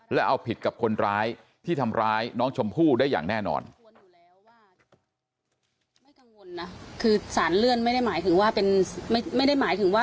และเอาผิดกับคนร้ายที่ทำร้ายน้องชมพู่ได้อย่างแน่นอน